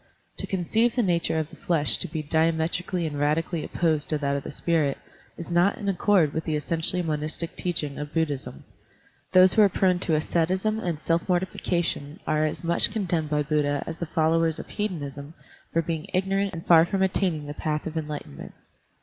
To conceive the nature of the flesh to be diametrically and radi cally opposed to that of the spirit is not in accord with the essentially monistic teaching of Bud dhism. Those who are prone to asceticism and self mortification are as much condemned by Buddha as the followers of hedonism for being ignorant and far from attaining the path of enlightenment.